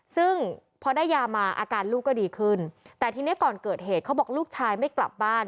ซึ่งพอได้ยามาอาการลูกก็ดีขึ้นแต่ทีนี้ก่อนเกิดเหตุเขาบอกลูกชายไม่กลับบ้าน